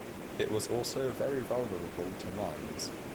It was also very vulnerable to mines.